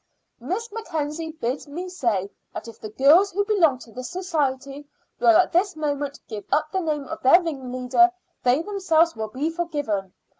"Miss Mackenzie bids me say that if the girls who belong to this society will at this moment give up the name of their ringleader they themselves will be forgiven.